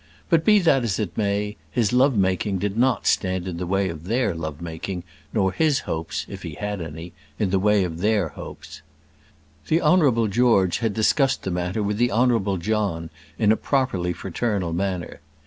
But be that as it may, his love making did not stand in the way of their love making; nor his hopes, if he had any, in the way of their hopes. The Honourable George had discussed the matter with the Honourable John in a properly fraternal manner.